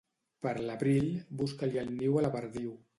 Per l'abril, busca-li el niu a la perdiu.